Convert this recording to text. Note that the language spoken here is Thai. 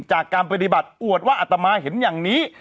จากการปฏิบัติอวดว่าอัตมาเห็นอย่างนี้